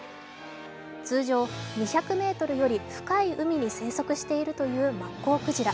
通常、２００ｍより深い海に生息しているというマッコウクジラ。